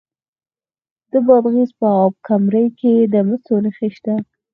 د بادغیس په اب کمري کې د مسو نښې شته.